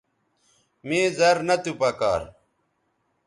مے زر نہ تو پکار